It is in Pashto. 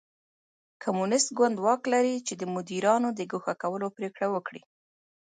کمونېست ګوند واک لري چې د مدیرانو د ګوښه کولو پرېکړه وکړي.